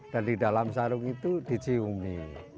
dan di dalam sarung itu diciumi